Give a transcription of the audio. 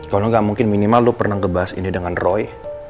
kalau nggak mungkin minimal lu pernah ngebahas ini dengan roy